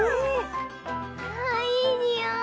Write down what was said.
ああいいにおい！